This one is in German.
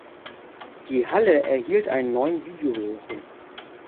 Die Halle erhielt einen neuen Videowürfel.